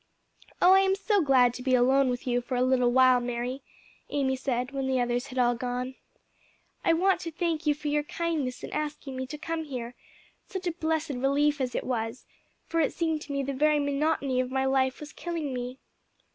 "Oh I am so glad to be alone with you for a little while, Mary," Amy said, when the others had all gone. "I want to thank you for your kindness in asking me to come here; such a blessed relief as it was! for it seemed to me the very monotony of my life was killing me."